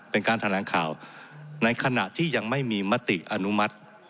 เป็นการแถลงข่าวในขณะที่ยังไม่มีมติอนุมัติ